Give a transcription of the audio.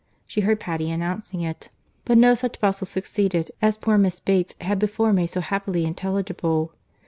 —She heard Patty announcing it; but no such bustle succeeded as poor Miss Bates had before made so happily intelligible.